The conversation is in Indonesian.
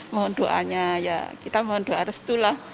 mohon doanya ya kita mohon doa restu lah